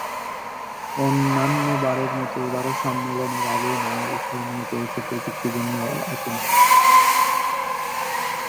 অন্যান্যবারের মতো এবারও সম্মেলনের আগেই নানা বিষয় নিয়ে চলছে প্রযুক্তি দুনিয়ায় আলোচনা।